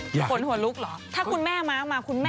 ห่วนหัวลุกหรอถ้าคุณแม่มาคุณแม่ใส่นี้